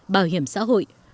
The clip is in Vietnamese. bảo hiểm xã hội